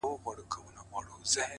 • ور څرګند د رڼا ګانو حقیقت وي ,